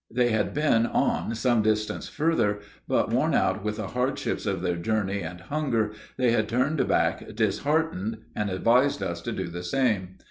They had been on some distance further, but worn out with the hardships of their journey and hunger, they had turned back disheartened, and advised us to do the same.